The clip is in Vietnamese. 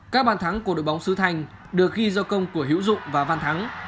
các bàn thắng của đội bóng sư thanh được ghi do công của hiễu dụng và văn thắng